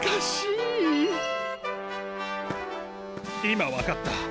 今分かった。